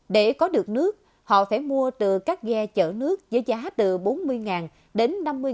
để có được nước họ phải mua từ các ghe chở nước với giá từ bốn mươi đến năm mươi đồng trên một mét khối